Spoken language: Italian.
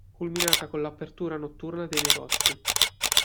Culminata con l'apertura notturna dei negozi.